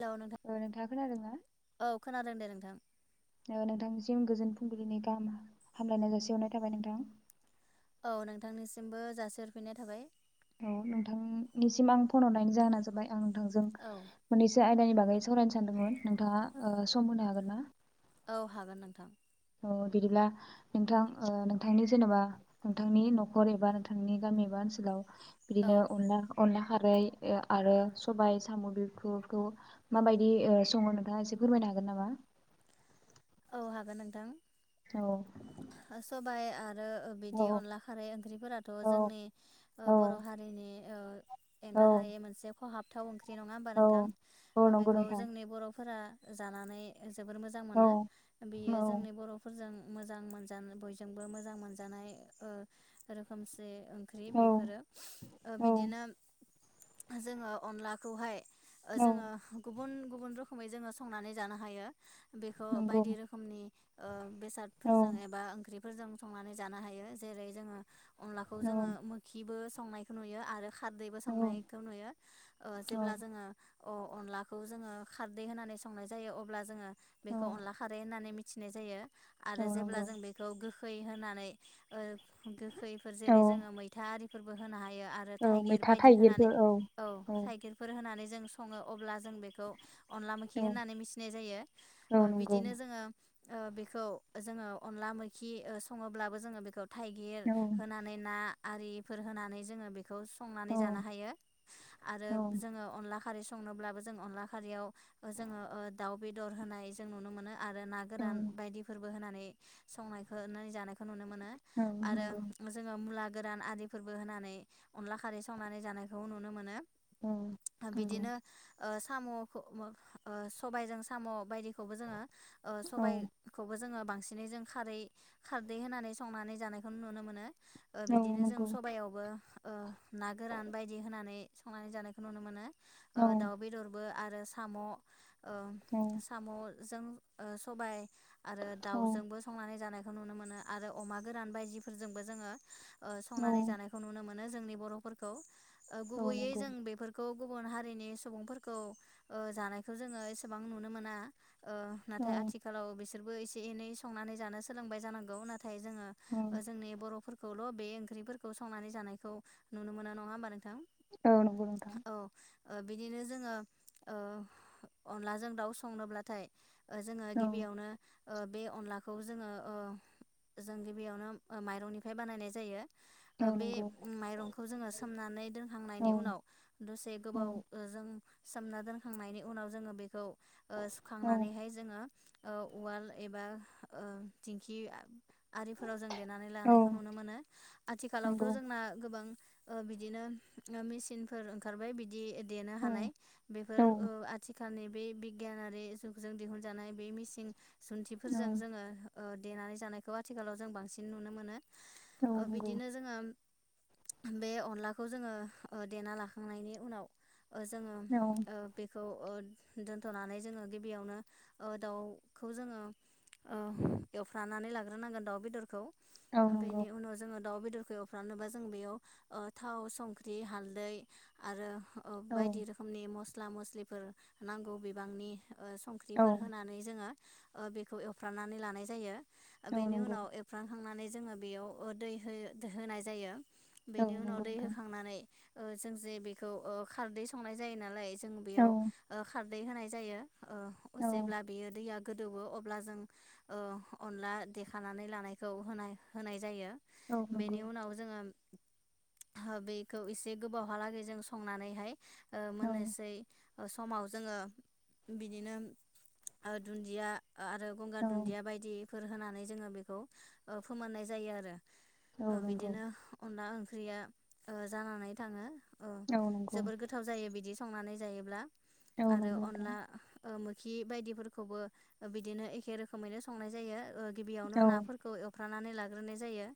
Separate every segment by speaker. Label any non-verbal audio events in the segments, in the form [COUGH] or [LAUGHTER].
Speaker 1: Hello नोंथां
Speaker 2: ओ नोंथाङा खोनादों ना
Speaker 1: औ खोनादों दे नोंथां
Speaker 2: ओ नोंथांनिसिम गोजोन फ फुंबिलिनि गाहाम हामलायनाय जासि हरनाय थाबाय नोंथां
Speaker 1: औ नोंथांनिसिमबो जासिहरफिननाय थाबाय
Speaker 2: औ नोंथांनिसिम आं फन हरनायनि जाहोना जाबाय आं‌ नोंथां जों
Speaker 1: औ
Speaker 2: माने [UNINTELLIGIBLE] [UNINTELLIGIBLE] बागै सावरायनो सानदोंमोन नोंथाङा ओ सम होनो हागोन ना?
Speaker 1: औ हागोन नोंथां
Speaker 2: औ बिदिब्ला नोंथां ओ नोंथांनि जेनेबा नोंथांनि न'खर एबा नोंथांनि गामि बा ओनसोलाव
Speaker 1: औ
Speaker 2: बिदिनो अनला अनला खारै ओ आरो सबाइ साम' बेखौ [INAUDIBLE] खौ माबायदि सङो नोंथाङा एसे फोरमायनो हागोन नामा?
Speaker 1: औ हागोन नोंथां।
Speaker 2: औ।
Speaker 1: बाइ आ रो ओ बिदि
Speaker 2: औ
Speaker 1: अनला खारै ओंख्रिफोराथ'
Speaker 2: औ
Speaker 1: जोंनि ओ
Speaker 2: औ
Speaker 1: बर' हारिनि।
Speaker 2: औ
Speaker 1: एंगारहायै मोनसे खहाब थाव नङा होमबा
Speaker 2: औ
Speaker 1: नोंथां
Speaker 2: औ नंगौ
Speaker 1: बेखौ
Speaker 2: नोंथां
Speaker 1: जोंनि बर' फोरा जानानै जोबोर मोजां
Speaker 2: औ
Speaker 1: मोनो बेयो
Speaker 2: औ
Speaker 1: जोंनि बर'फोर जों मोजां मोनजा बयजोंबो मोजां मोनजानाय रोखोमसे ओंख्रि
Speaker 2: औ
Speaker 1: बेफोरो
Speaker 2: औ
Speaker 1: बिदिनो जोङो अनलाखौहाय जोङो गुबुन गुबुन रोखोमै जोङो संनानै जानो हायो खौ बायदि रोखोमनि ओ
Speaker 2: औ
Speaker 1: बेसादफोरजों एबा ओंख्रि फोरजों संनानै जानो हायो जेरै जोङो अनलाखौ जोङो मोखिबो संनायखौ नुयो आरो खारदैबो संनायखौ नुयो जेब्ला जोङो अ अनलाखौ जोङो खारदै होनानै संनाय जायो अब्ला जोङो बेखौ अनला खारै होन्नानै मिथि मिथिनाय जायो आरो जेब्ला
Speaker 2: नंगौ
Speaker 1: जों बेखौ गो गोखै होनानै गोखै गोखैफोर
Speaker 2: औ
Speaker 1: जेरै जोङो मैथा आरि फोरबो होनो हायो आरो
Speaker 2: औ
Speaker 1: थाइगिर
Speaker 2: मैथा
Speaker 1: बायदि
Speaker 2: थाइगिरबो,
Speaker 1: होनानै औ
Speaker 2: औ
Speaker 1: थाइगिरफोर होनानै जों सङो अब्ला जों बेखौ अनला
Speaker 2: औ
Speaker 1: मोखि होननानै मिथिनाय जायो
Speaker 2: औ नंगौ
Speaker 1: बिदिनो जोङो ओ बेखौ जोङो अनला मैखि ओ सङोब्लाबो जोङो बेखौ थाइगिर
Speaker 2: औ मैथा थाइगिरबो
Speaker 1: होनानै ना आरिफोर होनानै जोङो बे बेखौ
Speaker 2: औ
Speaker 1: संनानै
Speaker 2: औ नंगौ औ
Speaker 1: जानो हायो आरो
Speaker 2: नंगौ
Speaker 1: जोङो अनला खारै संनोब्लाबो जों अनला खारियाव जोङो ओ दाउ बेदर होनाय जों नुनो मोनो आरो ना
Speaker 2: औ
Speaker 1: गोरान बायदिफोरबो होनानै संनायखौ जानायखौ नुनो मोनो। आरो
Speaker 2: नंगौ
Speaker 1: जोङो मुला गोरान आदिफोरबो होनानै अनला खारै संनानै जानायखौ नुनो मोनो।
Speaker 2: औ
Speaker 1: ओ बिदिनो ओ साम' ओ सबायजों साम' बायदि खौबो जोङो ओ सबायखौबो जोङो बांसिनै जों खारै खारदै होनानै संनानै जानायखौ नुनो मोनो। ओ
Speaker 2: औ
Speaker 1: बिदिनो जों
Speaker 2: नंगौ
Speaker 1: सबाइयावबो ओ ना गोरान बायदि होनानै संनानै जानायखौ नुनो मोनो। ओ दाउ बेदरबो आ रो साम' ओ साम' जों ओ सबाय आरो दाउजोंबो संनानै जानाय खौ नुनो मोनो आरो अमा गोरान बायदिफोरजोंबो जोङो ओ संनानै जानायखौ नुनो मो नो जोंनि बर'फोरखौ ओ गुबैयै जों बेफोरखौ गुबुन हारिनि सुबुंफोरखौ ओ जानायखौ जोङो एसेबां नुनो मोना ओ
Speaker 2: औ
Speaker 1: नाथाय आथिखालाव बिस सोरबो एसे एनै संनानै जानो सोलोंबाय जानांगौ ना थाय जोङो
Speaker 2: औ
Speaker 1: ओ जोंनि बर'फोर खौल' बे ओंख्रिफोरखौ संनानै जानायखौ नुनो मोऩ नङा होमबा नों
Speaker 2: औ नंगौ नोंथां
Speaker 1: ओ बिदिनो जोङो ओ अनलाजों दाउ संनोब्ला थाय ओ जोङो
Speaker 2: औ
Speaker 1: गिबियावनो ओ बे अनलाखौ जोङो ओ जों गिबियावनो माइरंनिफ्राय बानायनाय जायो।
Speaker 2: औ
Speaker 1: ओ बे
Speaker 2: नंगौ
Speaker 1: माइरंखौ जोङो सोमनानै
Speaker 2: औ
Speaker 1: दोनखांनायनि उनाव दसे गोबाव
Speaker 2: औ
Speaker 1: जों। सोमना दोनखांनायनि उनाव जोङो बेखौ।
Speaker 2: औ
Speaker 1: खांनानैहाय जोङो। ओ उवाल एबा ओ दिंखि। आरिफोराव जों देनानै लानायखौ
Speaker 2: औ
Speaker 1: नुनो मोनो आथिखालावथ'
Speaker 2: नंगौ
Speaker 1: जोंना गोबां। ओ बिदिनो मेसिनफोर ओंखारबाय बिदि। देनो
Speaker 2: औ
Speaker 1: हानाय
Speaker 2: औ
Speaker 1: बेफोर ओ आथिखाल। सानै बे बिगियानयारि। जों दिहुनजानाय बे मिसिन। जुन्थिफोरजों जोङो। ओ देनानै जानायखौ आथिखालाव जों बांसिन नुनो मोनो।
Speaker 2: औ
Speaker 1: ओ
Speaker 2: नंगौ
Speaker 1: बिदिनो जोङो। बे अनलाखौ जोङो ओ देना लाखांनायनि उनाव जोङो
Speaker 2: औ
Speaker 1: ओ बेख औ ओ दोनथ'नानै जोङो गिबियावनो ओ दाउखौ जोङो ओ एवफ्रानानै लाग्रोनांगोन दाउ बेदरखौ
Speaker 2: औ नंगौ
Speaker 1: बेनि उनाव जोङो दाउ बेदरखौ एवफ्रानोबा जों बेयाव ओ थाव संख्रि हालदै आरो। ओ
Speaker 2: औ
Speaker 1: बायदि रोखोमनि मस। मस्ला मस्लिफोर नांगौ बिबांनि ओ
Speaker 2: औ
Speaker 1: संख्रिफोर होनानै जोङो। ओ बेखौ एवफ्रानानै लानाय जायो।
Speaker 2: औ
Speaker 1: बेनि
Speaker 2: नंगौ
Speaker 1: उनाव एरफ्रांखांनानै। जोङो बेयाव दै होयो होनाय जायो।
Speaker 2: औ
Speaker 1: बेनि उनाव
Speaker 2: नंगौ
Speaker 1: दै
Speaker 2: नोंथां
Speaker 1: होखांनानै। ओ जों जे बेखौ ओ खारदै संनाय जायो नालाय। जों
Speaker 2: औ
Speaker 1: बेयाव ओ खार। दै होनाय जायो। ओ
Speaker 2: औ
Speaker 1: जेब्ला बेयो दैया। गोदौवो अब्ला जों ओ अनला देखानानै लानायखौ होनाय-होनाय जायो।
Speaker 2: औ नंगौ
Speaker 1: बेनि उनाव जोङो। बेखौ एसे गोबावहालागै जों संनानैहाय। ओ
Speaker 2: औ
Speaker 1: मोननोसै। समाव जोङो बिदिनो ओ दुन्दिया आरो गंगार
Speaker 2: औ
Speaker 1: दुन्दिया बायदि फोर होनानै जोङो बेखौ ओ फोमोननाय जायो आरो।
Speaker 2: औ
Speaker 1: ओ
Speaker 2: नंगौ
Speaker 1: बिदिनो अनला ओं ख्रिया ओ जानानै थाङो अ
Speaker 2: औ नंगौ
Speaker 1: जोबोर गोथाव जायो बिदि संनानै जायोब्ला।
Speaker 2: औ नोंगौ
Speaker 1: आरो
Speaker 2: नोंथां
Speaker 1: अनला ओ मोखि बायदिफोरखौबो बिदिनो एखे रोखोमैनो संनाय जायो ओ गिबियावनो
Speaker 2: औ
Speaker 1: नाफोरखौ एवफ्रानानै लाग्रोनाय जायो।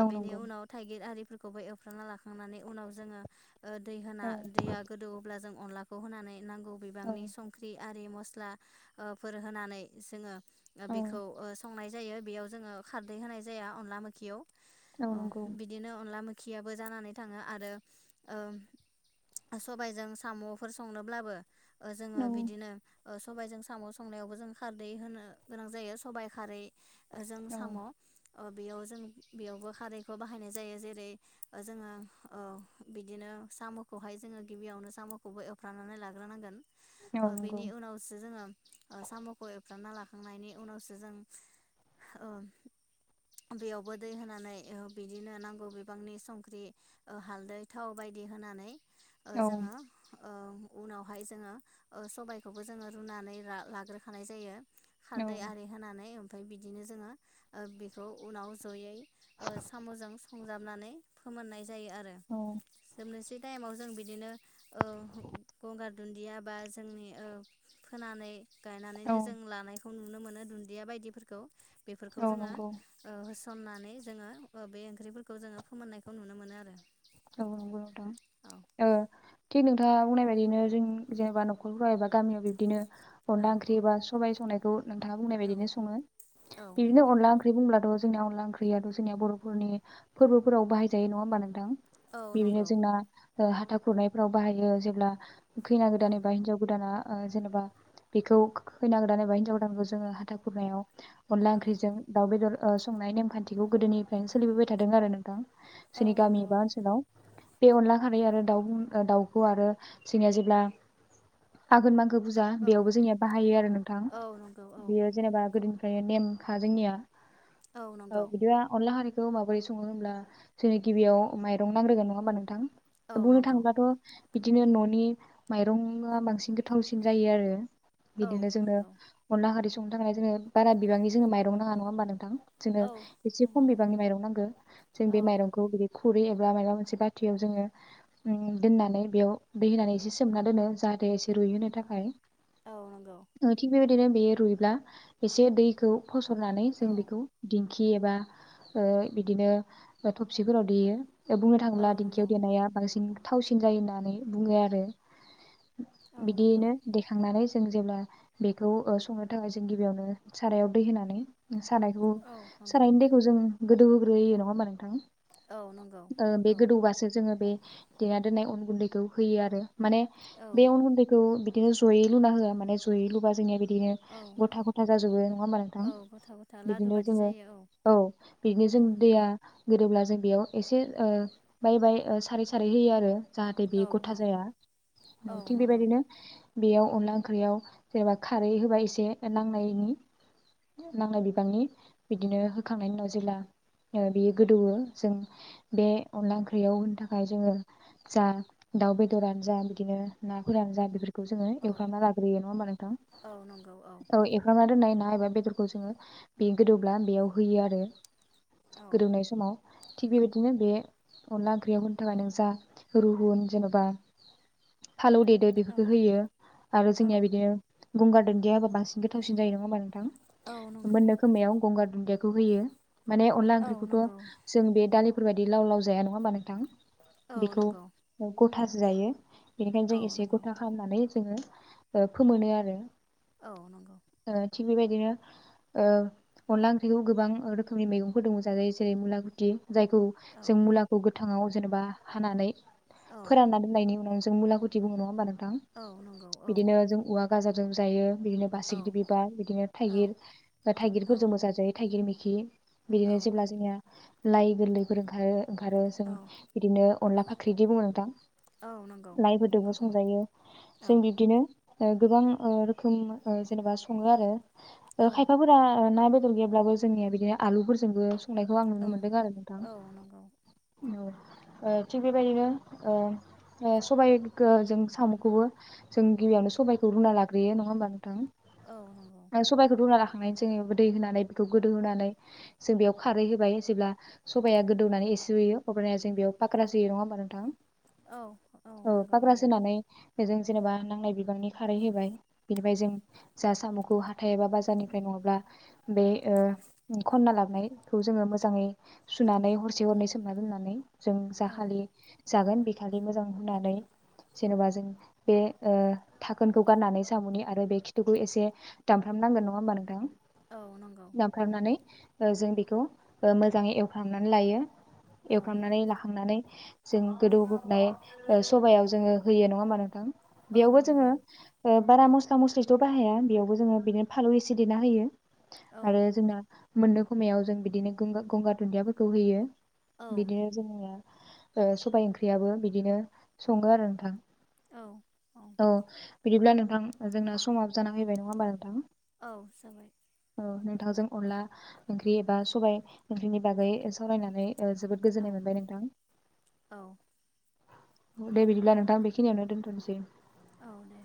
Speaker 2: औ
Speaker 1: बेनि
Speaker 2: नंगौ
Speaker 1: उनाव थाइगिर आरि फोरखौबो एवफ्रामना लाखांनानै उनाव जोङो ओ दै होना
Speaker 2: औ
Speaker 1: दैया गोदौब्ला जों अनलाखौ होनानै नांगौ
Speaker 2: औ
Speaker 1: बिबांनि सं आरि मस्ला ओ फोर होनानै जोङो
Speaker 2: औ
Speaker 1: बेखौ ओ संनाय जायो बेयाव जोङो खारदै होनाय जाया अनला मोखियाव
Speaker 2: औ
Speaker 1: अ
Speaker 2: नंगौ
Speaker 1: बिदिनो अनला मै खियाबो जानानै थाङो आरो ओ सबायजों साम'फोर संनोब्लाबो ओजोङो
Speaker 2: औ
Speaker 1: बि ओ सबबायजों साम' संनायावबो जों खारदै होनो गोनां जायो सबाइ खारै जों
Speaker 2: औ
Speaker 1: साम' ओ बेयाव जों बेयावबो खारैखौ बाहायनाय जायो जेरै जोङो ओ बिदिनो साम'खौहाय जोङो गिबियावनो साम'खौबो एवफ्रानानै लाग्रोनांगोन।
Speaker 2: औ
Speaker 1: ओ
Speaker 2: नंगौ
Speaker 1: बेनि उनावसो जोङो साम'खौ एबफ्रामना ला खांनायनि उनावसो जों ओ बेयावबो दै होनानै ओ बिदिनो नांगौ बिबांनि संख्रि ओ हालदै थाव बायदि होनानै ओ
Speaker 2: औ
Speaker 1: जोङो ओ उनावहाय जोङो ओ सबायखौबो जोङो रुनानै रा लाग्रोखानाय जायो।
Speaker 2: औ
Speaker 1: खारदै आरि होनानै ओम ओमफ्राय बिदिनो जोङो ओ बेखौ उनाव जयै ओ साम'जों संजाबनानै फोमोननाय जायो आरो
Speaker 2: औ
Speaker 1: जोबनोसै टाइमाव जों बिदिनो ओ गंगार दुन्दिया बा [UNINTELLIGIBLE] फोनानै
Speaker 2: औ
Speaker 1: गायनानैनो जों लानाय नुनो मोनो दुन्दिया बायदिफोरखौ बेफोरखौ
Speaker 2: नंगौ औ
Speaker 1: जोङो
Speaker 2: नंगौ
Speaker 1: ओ सननानै जोङो ओ बे ओंख्रिफोरखौ जोङो फोमोननायखौ नुनो मोनो आरो
Speaker 2: औ नंगौ नोंथां
Speaker 1: औ
Speaker 2: ओ दा बुंनाय बायदिनो जों जेनेबा न'खरफ्राव एबा गामियाव बिब्दिनो अनदला
Speaker 1: औ
Speaker 2: ओंख्रि बा स सबाय संनायखौ नोंथाङा बुंनाय
Speaker 1: औ
Speaker 2: बायदिनो सङो
Speaker 1: औ
Speaker 2: बिदिनो
Speaker 1: नंगौ
Speaker 2: अनला ओंख्रि बुंब्लाथ' जोंनिया अनला ओंख्रियाथ' जोंनिया बर'फोरनि फोरबोफोराव बाहायजायो नङा होमबा नोंथां?
Speaker 1: औ
Speaker 2: बिदिनो
Speaker 1: नंगौ
Speaker 2: जोंना ओ हाथा खुरनायफोराव बाहायो जेब्ला खैना
Speaker 1: औ
Speaker 2: गोदान एबा हिन्जाव गोदाना ओ जेनेबा बेखौ खैना गोदान एबा हिन्जाव गोदानखौ जोङो हाथा खुरनायाव अनला
Speaker 1: औ
Speaker 2: ओंख्रिजों दाउ बेदर ओ संनाय नेमखान्थिखौ गोदोनिफ्रायनो सोलिबोबाय थादों आरो नोंथां
Speaker 1: औ
Speaker 2: जोंनि
Speaker 1: नंगौ
Speaker 2: गामियाव ओन बे अनला खारै आरो दाउ दाउखौ आरो जोंनिया जेब्ला आघोन मा गो बुरजा
Speaker 1: औ
Speaker 2: बेयावबो जोंनिया बाहायो आरो नोंथां
Speaker 1: औ नंगौ औ
Speaker 2: बेयो जेनेबा गोदोनि ओमफ्राय नेमखा जोंनिया [INAUDIBLE] औ बिदि अलाहारि बेखौ माबोरै सङो होनोमब्ला जोंङो गिबियाव माइरं नांग्रोन नङा होमा नोंथां?
Speaker 1: औ
Speaker 2: बुंनो
Speaker 1: नंगौ
Speaker 2: थाङोबाथ' बिदिनो न'नि माइरंआ बांसिन गोथावसिन जायो आरो
Speaker 1: औ
Speaker 2: बिदिनो जोंनो
Speaker 1: नंगौ
Speaker 2: अनला हारि संनो थाखाय जोङ बा बिबांनि जो माइर नङा नंङा होमबा नोंथां? जोंनो
Speaker 1: औ
Speaker 2: एसे खम
Speaker 1: नंगौ
Speaker 2: बिबांनि माइरं नांगो जों
Speaker 1: औ
Speaker 2: बे माइरंखौ बि खुरै एबा माबाबा मोनसे बाथियाव जोङो दोननानै बेयाव दै होनानै एसे सोमना दोनो जाहाथे एसे रुइहोनो थाखाय
Speaker 1: औ नंगौ
Speaker 2: [INAUDIBLE] नथिं बे बिदिनो बेयो रुइब्ला एसे दैखौ फसरननानै जों
Speaker 1: औ
Speaker 2: बेखौ दिन्थ थिं एबा ओ बिदिनो थौसिफोराव देयो बेयाव बुंनो
Speaker 1: औ
Speaker 2: थाङोब्ला दिंखियाव
Speaker 1: नंगौ
Speaker 2: देनाया बांसिन थावसिन जायो होननानै बुङो आरो
Speaker 1: औ नंगौ
Speaker 2: बिदियैनो देखांनानै जों जेब्ला बेखौ संनो थाखाय जों गिबियावनो सारायाव दै होनानै सारायखौ
Speaker 1: औ नंगौ
Speaker 2: सारायनि दैखौ जों गोदौ होग्रोयो नङा होमबा नोंथां।
Speaker 1: औ नंगौ
Speaker 2: बे
Speaker 1: औ
Speaker 2: गोदौबासो जोङो बे देना दोननाय अन गुन्दैखौ होयो आरो माने बे
Speaker 1: औ
Speaker 2: अन गुन्दैखौ बिदिनो जयै लुना हो माने जयै लुबा जोंना बिदिनो
Speaker 1: औ
Speaker 2: गथा गथा जाजोबो नङा होमबा नोंथां
Speaker 1: औ गथा गथा लादु
Speaker 2: बिदिनो
Speaker 1: बादि
Speaker 2: जोङो
Speaker 1: जायो
Speaker 2: औ बिदिनो जों
Speaker 1: औ
Speaker 2: दैया गोरोब्ला जों बेयाव एसे ओ बाय बाय ओ सारै सारै होयो आरो जाहाथे
Speaker 1: औ औ
Speaker 2: बेयो गथा जाया
Speaker 1: नंगौ
Speaker 2: औ थिग बेबायदिनो बेयाव अनला ओंख्रियाव जेनेबा खारै होबाय एसे नांनायनि नांनाय बिबांनि बिदिनो होखांनायनि उनाव जेब्ला बेयो गोदौवो जों बे अनला ओंख्रियाव होनो थाखाय जोङो जा दाउ बेदरानो जा बिदिनो नाफोरानो जा बेफोरखौ जोङो
Speaker 1: औ
Speaker 2: एवफ्रामनानै लाग्रोयो नङा होनबा नोंथां औ एफ्रामनानै दोननाय ना एबा बेदरखौ जोङो बे गोदौब्ला बेयाव होयो आरो
Speaker 1: औ
Speaker 2: गोदौनाय समाव। थिग बेबायदिनो बे अनला ओंख्रियाव होनो थाखाय नों जा रुहुन जेन'बा फालौ देदो
Speaker 1: औ
Speaker 2: बेफोरखौ होयो आरो
Speaker 1: औ
Speaker 2: जोंनिया बिदिनो गंगार दुनदिया होबा बांसिन गोथावसि जायो नङा होनबा
Speaker 1: औ
Speaker 2: नोंथां।
Speaker 1: नंगौ
Speaker 2: मोननो समायाव गंगार दुन्दिया बेखौ होयो। माने अनला
Speaker 1: औ
Speaker 2: ओंख्रिथ'
Speaker 1: नंगौ
Speaker 2: बे दालिफोर बायदि लाव लाव जाया नङा होमबा नोंथां।
Speaker 1: औ
Speaker 2: बेखौ
Speaker 1: नंगौ
Speaker 2: ग थासो जायो। बेनिखायनो
Speaker 1: औ
Speaker 2: जों एसे
Speaker 1: नंगौ
Speaker 2: गथा खालामनानै जोङो फोमोनो आरो
Speaker 1: औ नंगौ।
Speaker 2: ओ थिग बेबायदिनो अनला ओंख्रिखौ गोबां रोखोमनि मैगंफोर दङ जायो जेरै मुला [INAUDIBLE] जायखौ
Speaker 1: औ
Speaker 2: जों मुलाखौ -। गोथाङाव जेनेबा हानानै
Speaker 1: औ
Speaker 2: फोरानना दोननायनि उनाव जों मुला खुथि बुंङो नङा होनबा
Speaker 1: औ नंगौ औ
Speaker 2: बिदिनो जों गाजरजों जायो बिदिनो
Speaker 1: औ
Speaker 2: बासिग्रि बिबार बिदिनो
Speaker 1: औ
Speaker 2: थाइगिर
Speaker 1: औ
Speaker 2: थाइगिरफोरजों बो मोजां जायो थाइगिर मख खि
Speaker 1: औ
Speaker 2: बिदिनो जेब्ला जोंनिया लाइ गोरलैफोर ओंखारो ओंखारो जों
Speaker 1: औ
Speaker 2: बिदिनो अनला फाख्रिदि बुंङो नोंथां।
Speaker 1: औ नंगौ
Speaker 2: लायबो दोंबो
Speaker 1: बुङो
Speaker 2: संजायो
Speaker 1: औ
Speaker 2: जों बिब्दिनो ओ गोबां ओ रोखोम ओ जेनेबा सङो आरो। ओ
Speaker 1: औ
Speaker 2: खायफा फोरा ओ ना बेदर गैया ब्लाबो जोंनिया आलुफोरजोंबो संनायखौं आं
Speaker 1: औ
Speaker 2: नुनो मोन मोनदोंआरो नोंथां
Speaker 1: औ नंगौ
Speaker 2: औ। ओ थिग बे बायदिनो ओ सबाइखौ जों साम'खौबो जों गिबियावनो सबाइखौ रुना लाग्रोयो नङा होमबा नोंथां?
Speaker 1: औ नंगौ
Speaker 2: आं सबायखौ रूना लाखां थांनाय जोङो दै होनानै बेखौ गोदौहानै जों बेयाव खारै होबाय जेब्ला सबाया गोदौनानै एसे रुयो अब्लानिया जों बेयाव फाखरास होयो नङा होमबा नोंथा?
Speaker 1: औ औ नंगौ होयो।
Speaker 2: बेजों जेनेबा नांनाय बिगांनि खारै होबाय बिनिफ्राय जों जा साम'खौ हाथाय एबा बाजारनिफ्राय नङाब्ला बे ऐ
Speaker 1: औ
Speaker 2: खनना लाबो संनायखौ जोङो मोजाङै सुनानै हरसे हरनै सोमना दोननानै जों
Speaker 1: औ
Speaker 2: जाखालि जागोन बेखालि मोजां हुननानै जेन'बा जों बे ओ थाखोनखौ गाननानै साम'नि आरो बे खिथुखौ एसे दामफ्राम नांगोन नङा होमबा नोंथां?
Speaker 1: औ नंगौ औ
Speaker 2: दाफ्रामनानै ओ जों बेखौ ओ मो मोजाङै एवखांनानै लायो।
Speaker 1: औ
Speaker 2: एवखांनानै लाखांनानै जों गोदौ बोनाय ओ सबायाव जोङो होयो नङा होमबा नोंथां?
Speaker 1: औ
Speaker 2: बेयावबो जोङो
Speaker 1: नंगौ
Speaker 2: ओ बारा मस्ला मस्लिथ' बाहाया बेयावबो जोङो बिदिनो फानलौ एसे देना होयो
Speaker 1: औ
Speaker 2: आरो जोंना मोननो खमायाव जों बिदिनो गोंगो गंगार दुन्दियाफोरखौ होयो।
Speaker 1: औ
Speaker 2: बिदिनो जोंनिया ओ सबाय ओंख्रियाबो बिदिनो सङो आरो नोंथां।
Speaker 1: औ
Speaker 2: औ बिदिब्ला नोंथां जोंना समाव जानानानै फैबाय नङा होमबा नोंथां
Speaker 1: औ जाबाय
Speaker 2: औ नोंथांजों अनला ओंख्रि एबा सबाइ ओंख्रिनि बागै सालरायनानै ओ जोबोद
Speaker 1: औ
Speaker 2: गोजोननाय मोनबाय नोंथां
Speaker 1: औ
Speaker 2: दे बिदिब्ला नोंथां बेखिनियावनो दोनथनिसै
Speaker 1: औ दे।